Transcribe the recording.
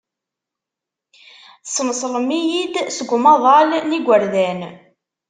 Teṣneṣlem-iyi-d seg umaḍal n yigerdan.